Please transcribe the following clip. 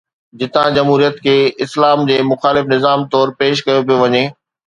جتان جمهوريت کي اسلام جي مخالف نظام طور پيش ڪيو پيو وڃي.